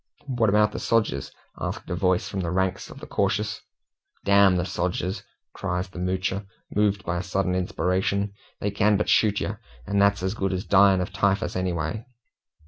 "What about the sogers?" asked a voice from the ranks of the cautious. "D the sogers!" cries the Moocher, moved by a sudden inspiration. "They can but shoot yer, and that's as good as dyin' of typhus anyway!"